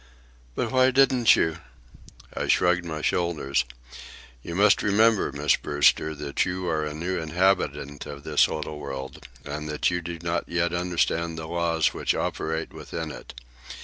"But why didn't you?" I shrugged my shoulders. "You must remember, Miss Brewster, that you are a new inhabitant of this little world, and that you do not yet understand the laws which operate within it.